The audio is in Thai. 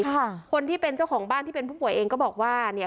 ค่ะคนที่เป็นเจ้าของบ้านที่เป็นผู้ป่วยเองก็บอกว่าเนี่ย